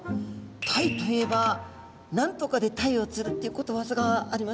タイといえば「何とかで鯛を釣る」っていうことわざがありますよね。